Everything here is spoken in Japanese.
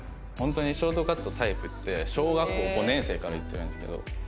本当にショートカットタイプって小学校５年生から言ってるんですけど。